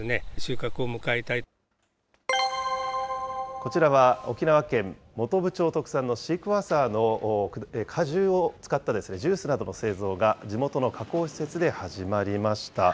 こちらは沖縄県本部町特産のシークヮーサーの果汁を使ったジュースなどの製造が、地元の加工施設で始まりました。